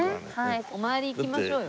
お参り行きましょうよ。